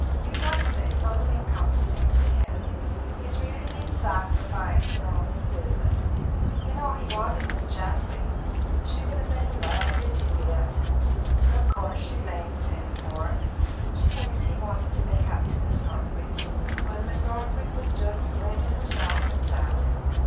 You must say something comforting to him. He's really been sacrificed in this business. You know he wanted Miss Chapley. She would have made a lovely Juliet. Of course she blames him for it. She thinks he wanted to make up to Miss Northwick, when Miss Northwick was just flinging herself at Jack.